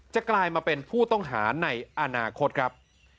กลายมาเป็นผู้ต้องหาในอนาคตครับ